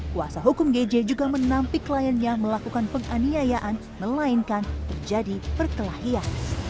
kuasa hukum gj juga menampik kliennya melakukan penganiayaan melainkan terjadi perkelahian